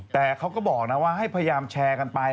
แต่เขาก็บอกนะว่าให้พยายามแชร์กันไป